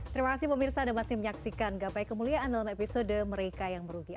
terima kasih pemirsa ada masih menyaksikan gapai kemuliaan dalam episode mereka yang merugi